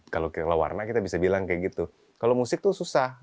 kalau warna kita bisa bilang kayak gitu kalau musik tuh susah